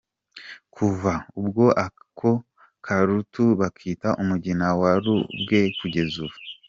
Kuva ubwo ako karutu bakita umugina wa Rurabwe kugeza ubu.